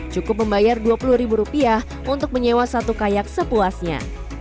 cukup membayar dua puluh ribu rupiah untuk menyewa satu kayak sepuasnya